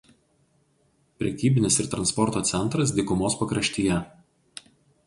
Prekybinis ir transporto centras dykumos pakraštyje.